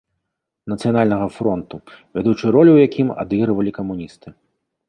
Нацыянальнага фронту, вядучую ролю ў якім адыгрывалі камуністы.